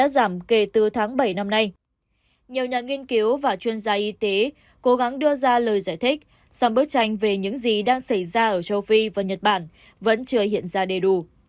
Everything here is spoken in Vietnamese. rằng bức tranh về những gì đang xảy ra ở châu phi và nhật bản vẫn chưa hiện ra đầy đủ